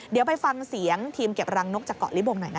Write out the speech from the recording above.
เดี๋ยวไปฟังเสียงทีมเก็บรังนกจากเกาะลิบงหน่อยนะคะ